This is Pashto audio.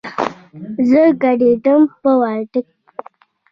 زه ګډېدم په وادۀ کې